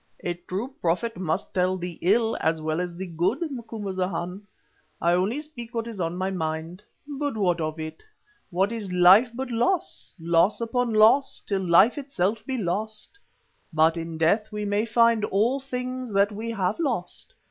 "A true prophet must tell the ill as well as the good, Macumazahn. I only speak what is on my mind. But what of it? What is life but loss, loss upon loss, till life itself be lost? But in death we may find all the things that we have lost.